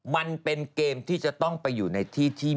มันเป็นเกมที่จะต้องไปอยู่ในที่ที่